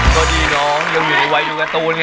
สวัสดีน้องยังอยู่ไว้อยู่การ์ตูนไง